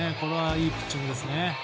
いいピッチングです。